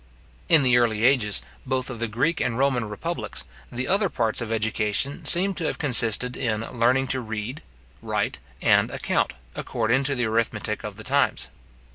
In the early ages, both of the Greek and Roman republics, the other parts of education seem to have consisted in learning to read, write, and account, according to the arithmetic of the times.